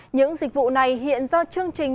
những dịch vụ này hiện do chương trình